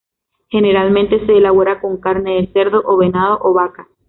Generalmente se elabora con carne de cerdo o venado, o vaca.